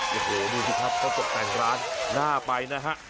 โอ้โหดูสิครับเขาตกแต่งร้านน่าไปนะฮะ